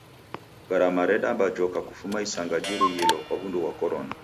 Garama redamba rejoka kufuma isanga jirughilo kwa w'undu ghwa korona.